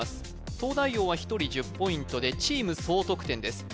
東大王は１人１０ポイントでチーム総得点です